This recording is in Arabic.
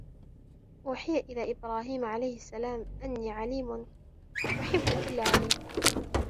أُوحِيَ إلَى إبْرَاهِيمَ عَلَيْهِ السَّلَامُ أَنِّي عَلِيمٌ أُحِبُّ كُلَّ عَلِيمٍ